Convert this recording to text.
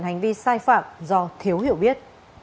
hành vi sai phạm do thiếu hiểu biết